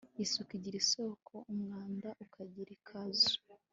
isuku igira isoko, umwanda ukagira akazu